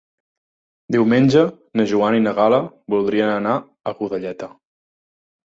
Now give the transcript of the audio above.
Diumenge na Joana i na Gal·la voldrien anar a Godelleta.